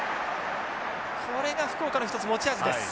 これが福岡の一つ持ち味です。